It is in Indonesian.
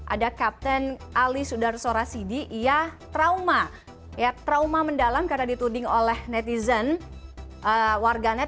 ada kapten ali sudarsora sidi ia trauma mendalam karena dituding oleh netizen warganet